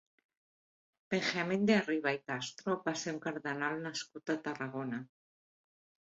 Benjamín de Arriba i Castro va ser un cardenal nascut a Tarragona.